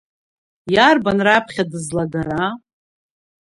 Иарбан раԥхьа дызлагара?